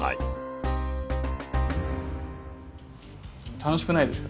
楽しくないですか？